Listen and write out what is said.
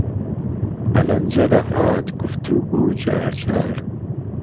به لهنجه دەهات گوفتوگو جارجار